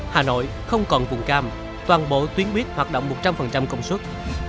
hà nội không còn vùng cam toàn bộ tuyến buýt hoạt động một trăm linh công suất